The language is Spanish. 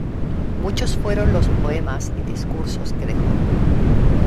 Muchos fueron los poemas y discursos que dejó.